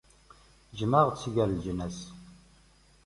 Jmeɛ-aɣ-d si gar leǧnas.